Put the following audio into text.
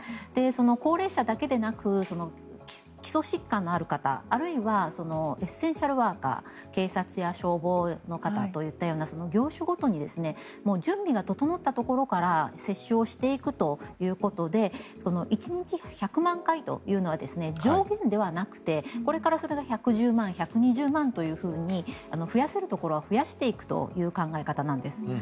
高齢者だけでなく基礎疾患のある方あるいはエッセンシャルワーカー警察や消防の方という業種ごとに準備が整ったところから接種をしていくということで１日１００万回というのは上限ではなくてこれからそれが１１０万、１２０万というように増やせるところは増やしていくという考え方なんです。